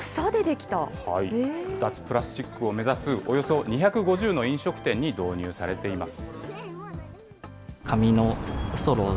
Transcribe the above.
脱プラスチックを目指すおよそ２５０の飲食店に導入されています。